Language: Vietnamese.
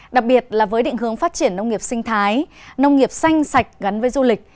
đặc biệt là với định hướng phát triển nông nghiệp sinh thái nông nghiệp xanh sạch gắn với du lịch